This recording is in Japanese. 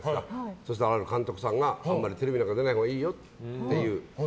そしたら、ある監督さんがあんまりテレビなんか出ないほうがいいよって。